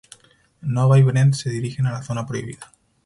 Nova y Brent se dirigen a la Zona Prohibida.